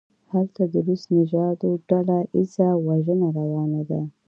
هلته د روس نژادو ډله ایزه وژنه روانه ده.